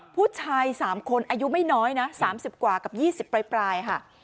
ผู้ชาย๓คนอายุไม่น้อยนะ๓๐กว่ากับ๒๐ปลายค่ะ